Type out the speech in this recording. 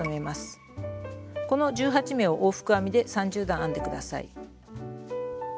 この１８目を往復編みで３０段編んで下さい。